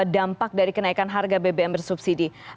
dampak dari kenaikan harga bbm bersubsidi